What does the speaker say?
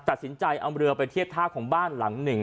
ตัดสินใจเอาเรือไปเทียบท่าของบ้านหลังหนึ่ง